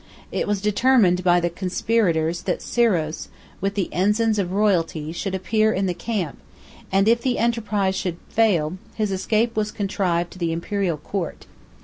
It was determined by the conspirators, that Siroes, with the ensigns of royalty, should appear in the camp; and if the enterprise should fail, his escape was contrived to the Imperial court.